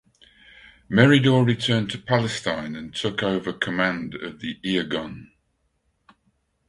Meridor returned to Palestine and took over command of the Irgun.